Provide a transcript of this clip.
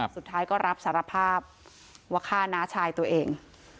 สุดท้ายก็รับสารภาพว่าฆ่าน้าชายตัวเอง